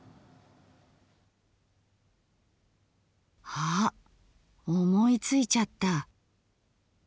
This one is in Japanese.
あ思いついちゃった。